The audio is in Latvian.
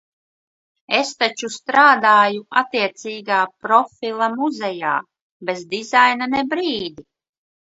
Es taču strādāju attiecīgā profila muzejā! Bez dizaina ne brīdi!